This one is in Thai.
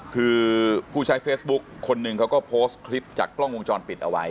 คือผู้ใช้เฟซบุ๊คคนหนึ่งเขาก็โพสต์คลิปจากกล้องวงจรปิดเอาไว้